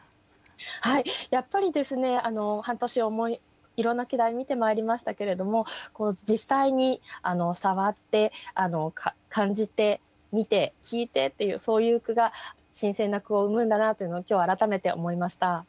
はいやっぱり半年いろんな季題見てまいりましたけれども実際に触って感じて見て聞いてっていうそういう句が新鮮な句を生むんだなというのを今日改めて思いました。